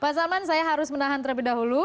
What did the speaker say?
pak salman saya harus menahan terlebih dahulu